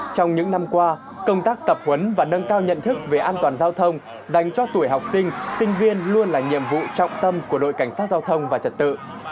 trong những năm qua công tác tập huấn và nâng cao nhận thức về an toàn giao thông dành cho tuổi học sinh sinh viên luôn là nhiệm vụ trọng tâm của đội cảnh sát giao thông và trật tự